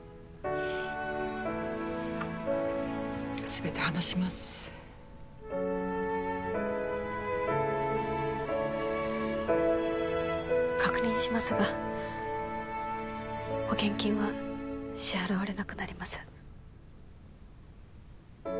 全て話します確認しますが保険金は支払われなくなります